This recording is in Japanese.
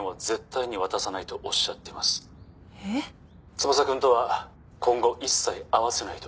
「翼くんとは今後一切会わせないと」